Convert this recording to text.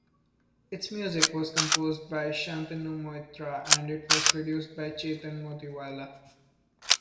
Its music was composed by Shantanu Moitra, and it was produced by Chetan Motiwalla.